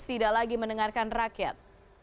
tidak lagi mendengarkan rakyat